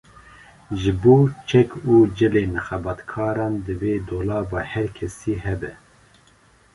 Ji bo çek û cilên xebatkaran divê dolaba her kesî hebe